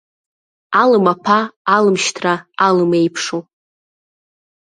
Алым аԥа, алым шьҭра, алым еиԥшу.